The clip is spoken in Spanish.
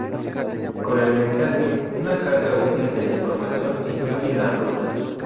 Con el mensaje una carga útil de la información se incluye en la ruta.